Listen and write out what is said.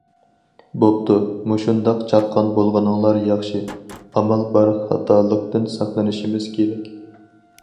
بوپتۇ مۇشۇنداق چاققان بولغىنىڭلار ياخشى، ئامال بار خاتالىقتىن ساقلىنىشىمىز كېرەك.